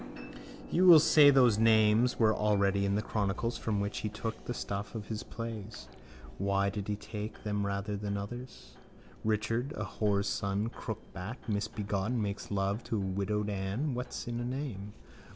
On. —You will say those names were already in the chronicles from which he took the stuff of his plays. Why did he take them rather than others? Richard, a whoreson crookback, misbegotten, makes love to a widowed Ann (what's in a name?)